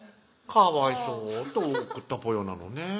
「かわいそう」と送ったぽよなのね